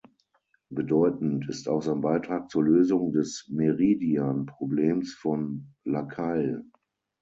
Bedeutend ist auch sein Beitrag zur Lösung des Meridian-Problems von La Caille.